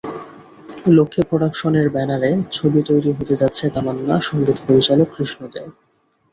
লক্ষ্মী প্রোডাকশনের ব্যানারে ছবি তৈরি হতে যাচ্ছে তমান্না, সংগীত পরিচালক কৃষ্ণচন্দ্র দে।